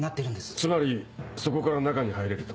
つまりそこから中に入れると？